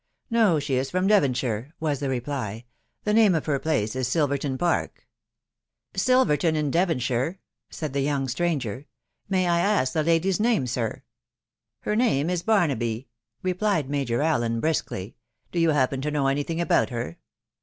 te No, she is from Devonshire," was the reply. " The nam* of her place is * Silverton Park' "" Silverton in Devonshire," said the young stranger. " May I ask the ladj% name, sir?" " Her name is Barnaby," replied Major Allen briskly ;" do you happen to know any thing about her